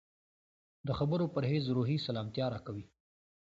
د خبرو پرهېز روحي سلامتیا راکوي.